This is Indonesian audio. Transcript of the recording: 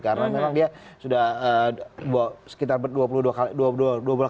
karena memang dia sudah sekitar dua puluh dua kali